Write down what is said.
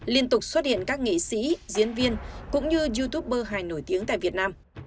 liên tục xuất hiện các nghệ sĩ diễn viên cũng như youtuber hài nổi tiếng tại việt nam